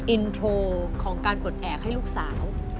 อินโทรของการปลดแอบให้ลูกสาว